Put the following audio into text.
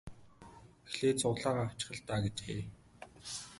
Эхлээд сугалаагаа авчих л даа гэжээ.